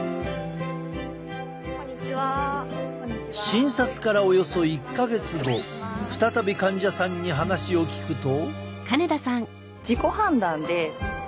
診察からおよそ１か月後再び患者さんに話を聞くと。